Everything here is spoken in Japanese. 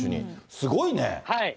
すごいね。